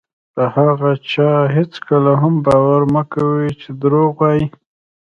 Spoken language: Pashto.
په هغه چا هېڅکله هم باور مه کوئ چې دروغ وایي.